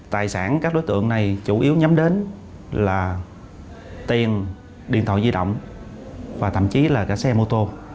tài sản các đối tượng này chủ yếu nhắm đến là tiền điện thoại di động và thậm chí là các xe mô tô